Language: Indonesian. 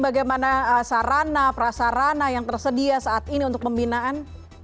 bagaimana sarana prasarana yang tersedia saat ini untuk pembinaan